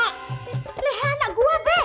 eh leha anak gue be